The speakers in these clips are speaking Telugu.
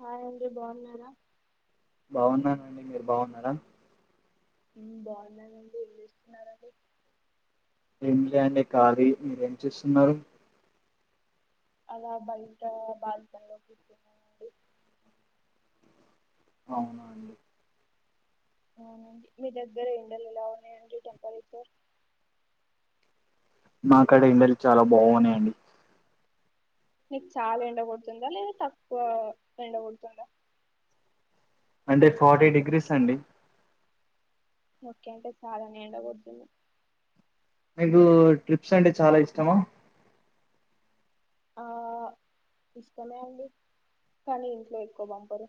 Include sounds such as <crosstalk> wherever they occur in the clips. హాయ్ అండి బాగున్నారా బాగున్నానండి మీరు బాగున్నారా బాగున్నానండి ఏం చేస్తున్నారండి ఏం లేదండి కాలి మీరేం చేస్తున్నారు అలా బయటా బాల్కానీలో కూర్చున్న అవునా అండి మీ దగ్గర ఎండలు ఎలా ఉన్నాయండి టెంపరేచర్ మాకాడా ఎండలు చాలా బాగున్నాయండి మీకు చాలా ఎండగొడుతుందా లేదా తక్కువ ఎండగొడుతుందా అంటే ఫార్టీ డిగ్రీస్ అండి ఓకే అంటే చాలానే ఎండకొడుతుంది మీకు ట్రిప్స్ అంటే చాలా ఇష్టమా ఆ ఇష్టమే అండి కానీ ఇంట్లో ఎక్కువ పంపరు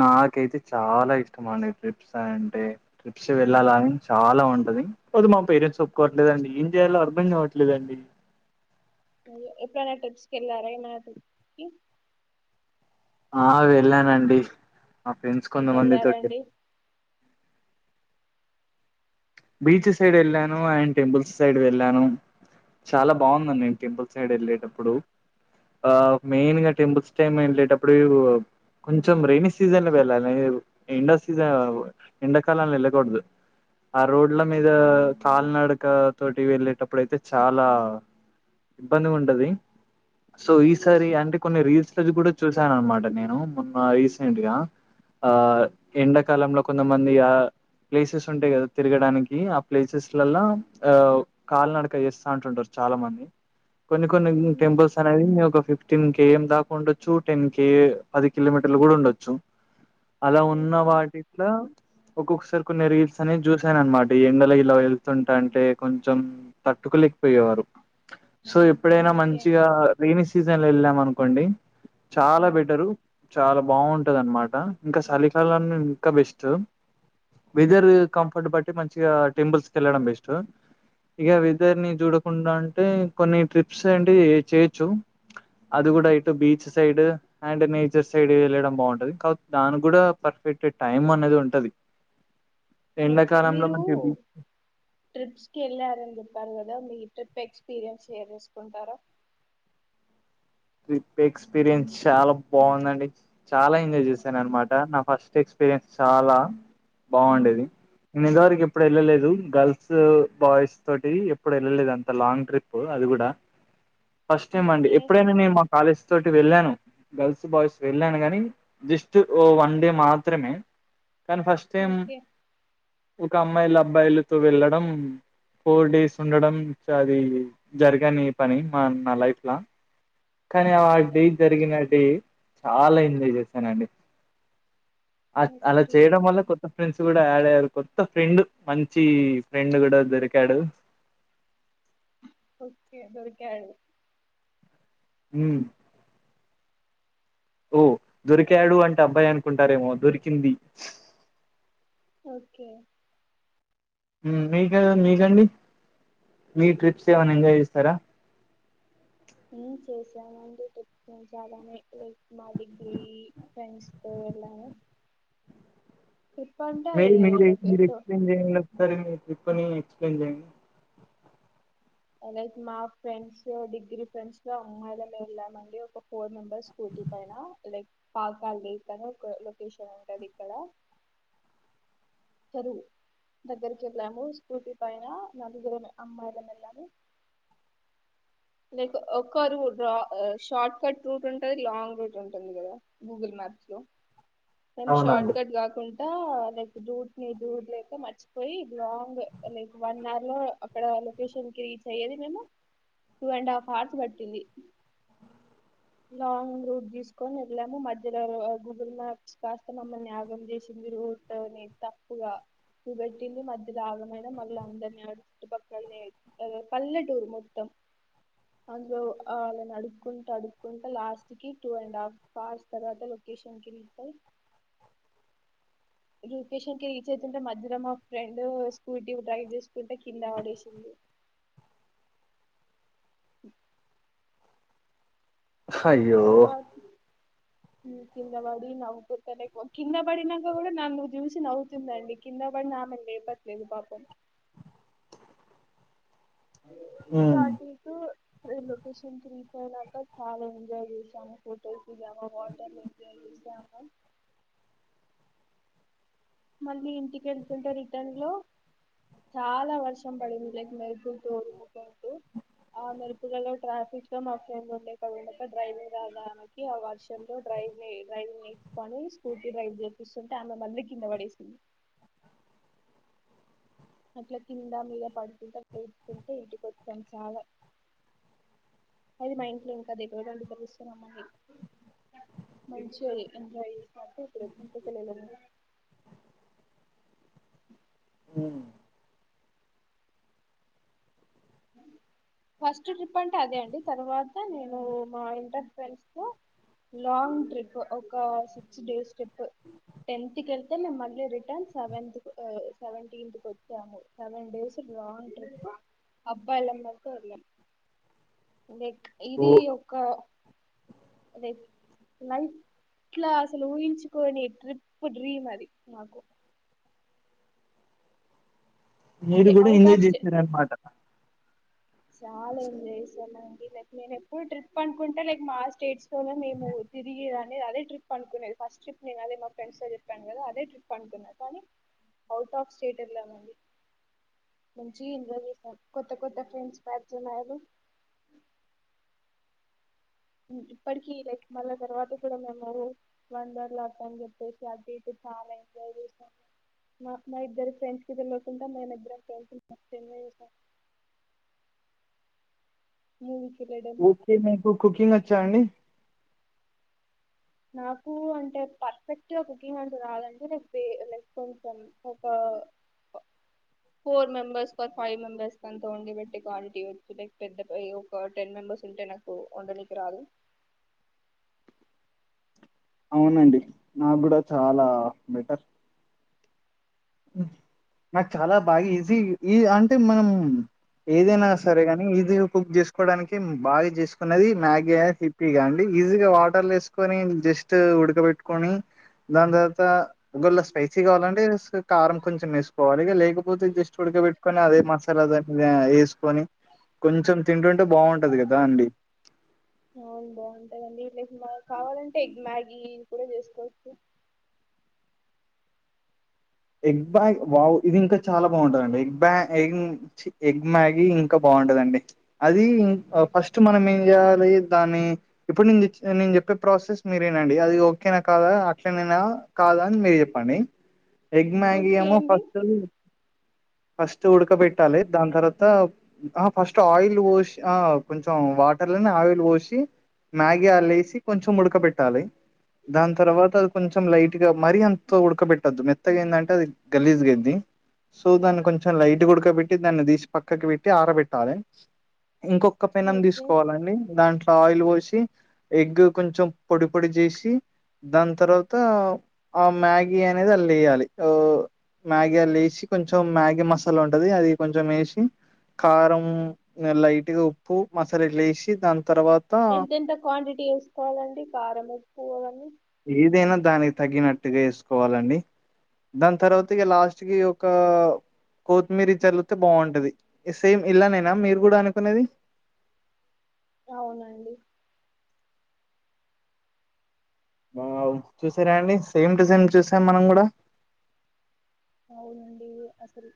నాకైతే చాలా ఇష్టం అండి ట్రిప్స్ అంటే ట్రిప్స్ వెళ్ళాలని చాలా ఉంటది పోతే మా పేరెంట్స్ ఒప్పుకోవట్లేదండి ఏం చేయాలో అర్థం కావట్లేదండి ఎప్పుడైనా ట్రిప్స్ కి వెళ్ళారా ఏమైనా టూర్ కి ఆ వెళ్ళానండి మా ఫ్రెండ్స్ ఎటు కొంతమంది తోటి వెళ్ళారండి బీచ్ సైడ్ వెళ్ళాను అండ్ టెంపుల్స్ సైడ్ వెళ్ళాను చాలా బాగుందండి నేను టెంపుల్ సైడ్ వెళ్ళేటప్పుడు ఆ మెయిన్ గా టెంపుల్స్ టైమ్ వెళ్లేటప్పుడు కొంచెం రెైనీ సీజన్లో వెళ్ళాలి ఎండ సీజన్ ఎండాకాలంలో వెళ్ళకూడదు ఆ రోడ్ల మీద కాలినడక తోటి వెళ్ళేటప్పుడు అయితే చాలా ఇబ్బందిగా ఉంటది సో ఈసారి అంటే కొన్ని రీల్స్ లో కూడా చూశాను అనమాట నేను మొన్న రీసెంట్ గా ఆ ఎండాకాలంలో కొంతమంది ఆ ప్లేసెస్ ఉంటాయి కదా తిరగడానికి ఆ ప్లేసెస్లల్లా ఆ కాళ్ళ నడక చేస్తా అంటుంటారు చాలా మంది కొన్ని కొన్ని ఉమ్, టెంపుల్స్ అనేవి ఒక ఫిఫ్టీ ఫిఫ్టీన్ కేఏం దాకా ఉండొచ్చు టెన్ కే పది కిలోమీటర్లు కూడా ఉండొచ్చు అలా ఉన్న ఓకే వాటిట్ల ఒక్కొక్కసారి కొన్ని రీల్స్ అనేది చూస్ చూసాననమాట ఎండలో ఇలా వెళ్తుంటే అంటే కొంచెం తట్టుకులేక పోయేవారు సో ఎప్పుడైనా ఓకే మంచిగా రైనీ సీజన్ లో వెళ్ళాం అనుకోండి చాలా బెటరు చాలా బాగుంటది అన్నమాట ఇంకా చలికాలం ఇంకా బెస్ట్ వెదర్ కంఫర్ట్ బట్టి మంచిగా టింపుల్స్ కి వెళ్ళడం బెస్ట్ ఇగ వెదర్ ని చూడకుండా అంటే కొన్ని ట్రిప్స్ అంటే చేయొచ్చు అది గూడ ఎటు beach side and nature side వెళ్ళడం బాగుంటది కాకపోతే దానికి కూడా పర్ఫెక్ట్ టైమ్ అనేది ఉంటది ఓకే ఎండాకాలంలో మీరు మంచి బీచ్ ట్రిప్స్ కి వెళ్ళారని చెప్పారు కదా మీ ట్రిప్ ఎక్స్పీరియన్స్ షేర్ చేసుకుంటారా ట్రిప్ ఎక్స్పీరియన్స్ చాలా బాగుందండి చాలా ఎంజాయ్ చేశాను అన్నమాట నా ఫస్ట్ ఎక్స్పీరియన్స్ చాలా బాగుండేది నేనింతవరకు ఎప్పుడు వెళ్లలేదు ఎప్పుడు వెళ్ళలేదు గర్ల్స్ బాయ్స్ తోటి ఎప్పుడు వెళ్ళలేదు అంత లాంగ్ ట్రిప్ ప్ అది కూడా ఫస్ట్ టైం అండి ఓకే ఎప్పుడైనా నేను మా కాలేజ్ తోటి వెళ్లాను గర్ల్స్ బాయ్స్ వెళ్ళాను గాని జస్ట్ ఓ వన్ డే మాత్రమే కానీ ఫస్ట్ టైం ఓకే ఒక అమ్మాయిలు అబ్బాయిలతో వెళ్లడం ఫోర్ డేస్ ఉండడం అది జరగని పని మా నా లైఫ్ ల కానీ ఆ డే జరిగిన డే చాలా ఎంజాయ్ చేశానండి ఆ అలా ఓకే చేయడం వల్ల కొ త్త ఫ్రెండ్స్ కూడా యాడ్ అయ్యారు కొత్త ఫ్రెండ్ మంచి ఫ్రెండ్ కూడా దొరికాడు ఓకే దొరుకుతాయి అవి మ్ ఓ దొరికాడు అంటే అబ్బాయి అనుకుంటారేమో దొరికింది ఓకే మ్ మీకు మీకండి మీ ట్రిప్స్ ఏమై ఎంజాయ్ చేస్తారా ఇం చేశామండి ట్రిప్స్ చాలానే లైక్ మా డిగ్రీ ఫ్రెండ్స్ తో వెళ్లాను మీ అది మీరు లైక్ మీరు ఎటో ఎక్స్ప్లెయిన్ చేయండి ఒకసారి మీ ట్రిప్ ని ఎక్స్ప్లెయిన్ చేయండి లైక్ మా ఫ్రెండ్స్ డిగ్రీ ఫ్రెండ్స్ లో అమ్మాయిల మే వెళ్ళామండి ఒక ఫోర్ మెంబెర్స్ స్కూటీ పైన లైక్ పాకాల లేక్ అని ఒక లొకేషన్ ఉంటది ఇక్కడ తరు దగ్గరికి వెళ్ళాము స్కూటీ పైన నా దగ్గర అమ్మాయిలము వెళ్ళాము లైక్ ఒకరు షార్ట్ కట్ రూట్ ఉంటుంది లాంగ్ రూట్ ఉంటుంది కదా గూగుల్ మ్యాప్స్ లో మేం షార్ట్ అవునండి కట్ కాగాకుండా ఈ ల లైక్ దూడ్ని దూడ్ లేక మర్చిపోయి లాంగ్ లైక్ వన్ అవర్ లో అక్కడ లొకేషన్ కి రీచ్ అయ్యేది మేము టూ అండ్ హాఫ్ అవర్స్ బట్టింది లాంగ్ రూట్ తీసుకొని వెళ్ళాము మధ్యలో గూగుల్ మ్యాప్స్ కాస్త మమ్మల్ని ఆగం చేసింది రూట్ నీ తప్పుగా చుబెట్టింది మధ్యలో ఆగమయనం మల్ల అందరిని చుట్టుపక్కలనే అ పల్లెటూరు మొత్తం అందులో అల్లాణి అడుక్కుంటా అడుక్కుంటా లాస్ట్ కి టూ అండ్ హాఫ్ పస్ తర్వాత లొకేషన్ కి రీచ్ చెయ్ లోకేషన్ కి రీచ్ అవుతుంటే మధ్యలో మా ఫ్రెండ్ స్కూటీ డ్రైవ్ చేసుకుంటే కింద ఆడేసింది ఓ అయ్యో తరువాతకి కింద పడి నవ్వుతతనేక్కువ కింద పడినాక కూడా నన్ను చూసి నవ్వుతుందండి కింద పడినా ఆమే నీ లేపట్లేదు పాపం హ్మ్ టి లోకేషన్ కి రీచ్ అయినాక చాలా ఎంజాయ్ చేశాము ఫొటోస్ దిగాము వాటర్ జర్నలిసైనా మళ్లీ ఇంటికి వెళ్తుంతాడు రిటన్ లో చాలా వర్షం పడింది లైక్ మెరుపులతో ఉరుములతోటి అ మెరుపుల్లో ట్రాఫిక్ లో మా ఫ్రెండ్ ఉండే ఒక డ్రైవింగ్ రాదు ఆమెకి ఆ వర్షంలో డ్రైవ్ ని డ్రైవ ని తీసుకుని స్కూటీ డ్రైవ్ చేపిస్తుంటే ఆమె మళ్ళీ కింద వడేసింది అట్లా కింద మీద పడుతుంటే పకుంటే ఇంటికొచ్చాను చాలా అది మా ఇంట్లో ఇంకా దగ్గరవడం తెలుస్తున్నామండి మంచించియి <unintelligible> మ్ ఫస్ట్ ట్రిప్ అంటే అదే అండి తర్వాత నేను మా ఇంటర్ ఫ్రెండ్స్ తో లాంగ్ ట్రిప్ ఒక సిక్స్ డేస్ ట్రిప్ టెన్త్ కెళ్తే మేము మళ్ళీ రిటర్న్ సెవెన్త్ సెవెంటీన్త్ కి వచ్చాము సెవన్ డేస్ లాంగ్ ట్రిప్ అబ్బాయిలందరితో వెళ్ళాం లైక్ ఓ ఇది ఒక రేప్ ఏమైంది ఇట్ల అసలు ఊహించుకోని ట్రిప్ డ్రీమ్ అది నాకు మీరు కూడా అవుట్ ఇంజాయ్ ఆఫ్ స్టే చేసిర్రు అనమాట చాలా ఎంజాయ్ చేసాను అండి లైక్ నేను ఎప్పుడు ట్రిప్ అనుకుంటే లైక్ మా స్టేట్స్ తోనే మేము తిరిగి అన్ అదే ట్రిప్ అనుకునేది ఫస్ట్ ట్రిప్ నేను అదే మా ఫ్రెండ్స్తో చెప్పాను కదా అదే ట్రిప్ అనుకున్నా కానీ అవుట్ ఆఫ్ స్టేట్ ఎల్లలండి మంచిగ ఎంజాయ్ చేశారు కొత్త కొత్త ఫ్రెండ్స్ పరిచయం అయ్యారు మ్మ్ ఇప్పటికీ లైక్ మళ్ళా తర్వాత కూడా మేము వండర్ లాకీ అని చెప్పేసి అది అయితే చాలా ఎంజాయ్ చేశాను నాక్ మా ఇద్దరి ఫ్రెండ్స్ కి వెళ్ళతుంటా మేన ఇద్దరం ఫ్రెండ్స్ మ <unintelligible> మూవీ కి రెడం తే మీకు కుకింగ్ వచ్చా అండి నాకు అంటే పర్ఫెక్ట్ గా కుకింగ్ అంటు రాదంటే లైక్ పే లైక్ కొంచెం ఒక four members for five members కంతోండి బట్టి కాలిటీయచ్చు లైక్ పెద్ద ఏయో ఒక టెన్ మెంబెర్స్ ఉంటే నాకు వండనికి రాదు అవునండి నాకు కూడా చాలా బెటర్ నాకు చాలా బాగా ఈజీ ఈ అంటే మనం ఏదైనా తారే గాని ఈజీగా కుక్ చేసుకోవడానికి బాగా చేసుకున్నది మ్యాగీ ఇప్పియా అండి ఈజీగా వాటర్ లో వేస్ కొని జస్ట్ ఉడకబెట్టుకొని దాని తర్వాత గొల్ల స్పైసీ కావాలంటే ఏస్ కారం కొంచెం వేసుకోవాలి ఇగ లేకపోతే జస్ట్ ఉడకబట్టుకొని అదే మసాలా దాని మీద వేసుకొని కొంచెం తింటుంటే బాగుంటది కదా అండి అవును బాగుంటాదండి లైక్ మనకి కావాలంటే ఎగ్ మ్యాగీ కూడా చేసుకోవచ్చు ఎగ్ బ్యాగ్ వావ్ ఇది ఇంకా చాలా బాగుంటందండి ఎగ్ బ్యాగ్ ఎ చి ఎగ్ మ్యాగీ ఇంకా బాగుంటదండి అది ఇం ఫస్ట్ మనం ఏం చేయాలి దాని ఇప్పుడు నేను తెచ్ నేను చెప్పే ప్రాసెస్ మీరీనండి అది ఓకేనా కాదా ఇట్టనేన కాదా అని మీరు చెప్పండి ఎగ్ మ్యాగీ ఓకే ఏమో అండి ఫస్ట్ ఫస్ట్ ఉడకబెట్టాలి దాని తర్వాత ఆ ఫస్ట్ ఆయిల్ పోసి ఆ కొంచెం వాటర్ లోనే ఆయిల్ పోసి మ్యాగీ అ లేేసి కొంచెం ఉడక పెట్టాలి దాని తర్వాత అది కొంచెం లైట్ గా మరీ అంత ఉడకబెట్టొద్దు మెత్తగా ఏంటంటే అది గలీజ్ గయిద్ది సో దాని కొంచెం లైట్ గా ఉడక పెట్టి దాన్ని తీసి పక్కకి పెట్టి ఆరబెట్టాలి ఇంకొక క్క పెన్నం ఓకే తీసుకోవాలండి దాంట్లో ఆయిల్ పోసి ఎగ్ కొంచెం పొడి పొడి చేసి దాని తర్వాత ఆ మ్యాగీ అనేది అల్లో వెయ్యాలి మ్యాగీ అల్లో వేసి కొంచెం మ్యాగీ మసాలా ఉంటది అది కొంచెం వేసి కారం ఇంగ లైట్ గా ఉప్పు మసాలలు ఏసీ దాని తర్వాత ఎంత ఎంత క్వాంటిటీ వేసుకోవాలండి కారం ఉప్పు అవన్నీ ఏదైనా దానికి తగినట్టుగా వేసుకోవాలండి దాని తర్వాత ఇగ లాస్ట్ కి ఒక కొత్తిమీర చల్లితే బాగుంటది సేమ్ ఇలానేనా మీరు కూడా అనుకునేది అవునండి వావ్ చూసారా అండి సేమ్ టు సేమ్ చూసాం మనం కూడా అవునండి అసలు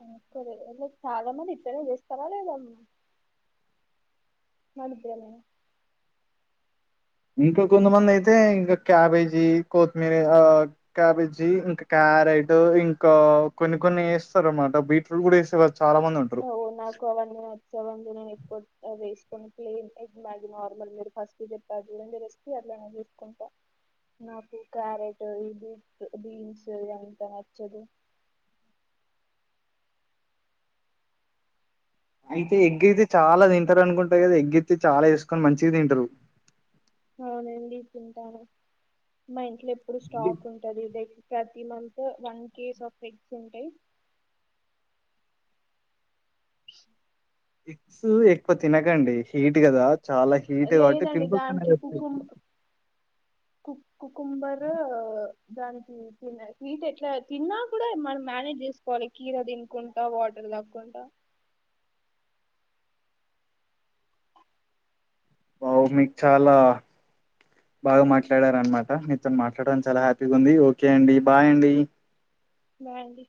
<unintelligible> అక్కలేదు చాలా మంది ఇప్పుడనే చేస్తారా లేదమ్ మనిద్దరమేనా ఇంకా కొంతమంది అయితే ఇంకా క్యాబేజీ కొతిమీర క్యాబేజీ ఇంకా క్యారెట్ ఇంకా కొన్ని కొన్ని వేస్తారు అన్నమాట బీట్రూట్ కూడా వేస్తే కదా చాలా మంది ఉంట ఓ నాకు ఎక్వచ్చవన్ ఎక్కువ వేసుకని ప్లెన్ ఎగ్ మ్యాగ్ నార్మల్ మీరు ఫస్ట్ చెప్ప <unintelligible> అర్లనా తీసుకుంటా <unintelligible> నాకు క్యారెట్ ఇ బీ బీన్స్ ఇది అంతా నచ్చదు అయితే ఎగ్ అయితే చాలా తింటారు అనుకుంటా కదా ఎగ్ అయితే చాలా వేసుకొని మంచిగా తింటారు అవునండి తింటాను మా ఇంట్లో ఎప్పుడు స్టాక్ ఉంటు ఉంటది ద ప్రతి month one case of eggs ఉంటాయి ఎగ్స్ ఎక్కువ తినకండి హీట్ కదా చాలా హీట్ కాబట్టి లేదండి పింపుల్స్ అనే దానికి వస్తాయి కుకుం కు కుకుంబరు దానికి తి హీట్ ఎట్లా తిన్నా కూడా మనం మేనేజ్ చేసుకోవాలి కీర తినుకుం వాటర్ దాకుంటా వావ్ మీకు చాలా బాగా మాట్లాడార అనమాట మీతోను మాట్లాడనికి చాలా హ్యాపీగా ఉంది ఓకే అండి బాయ్ అండి బాయ్ అండి